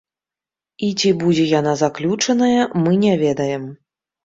І ці будзе яна заключаная, мы не ведаем.